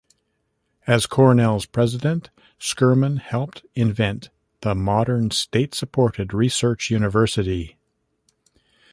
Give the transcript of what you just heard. As Cornell's president, Schurman helped invent the modern state-supported research university.